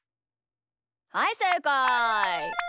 はいせいかい！